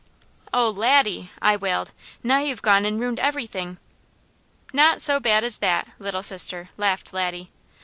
"Oh Laddie," I wailed, "now you've gone and ruined everything!" "Not so bad as that, Little Sister," laughed Laddie.